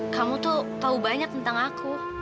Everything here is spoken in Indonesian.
kamu tuh tahu banyak tentang aku